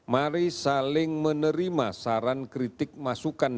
mari saling menerima saran kritik masukan